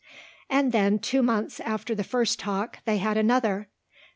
And then two months after the first talk they had another.